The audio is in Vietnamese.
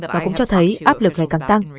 mà cũng cho thấy áp lực này càng tăng